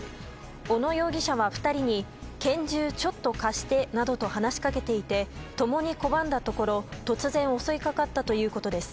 小野容疑者は２人に拳銃ちょっと貸してなどと話しかけていて共に拒んだところ突然襲いかかったということです。